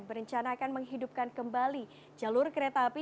berencana akan menghidupkan kembali jalur kereta api